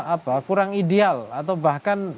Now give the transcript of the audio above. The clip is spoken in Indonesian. apa kurang ideal atau bahkan